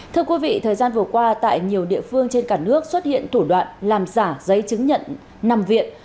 thưa quý vị thời gian vừa qua tại nhiều địa phương trên cả nước xuất hiện thủ đoạn làm giả giấy chứng nhận nằm viện